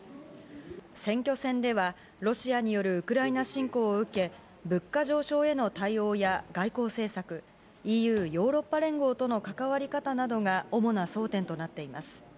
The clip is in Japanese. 選挙戦では、ロシアによるウクライナ侵攻を受け、物価上昇への対応や、外交政策、ＥＵ・ヨーロッパ連合との関わり方などが主な争点となっています。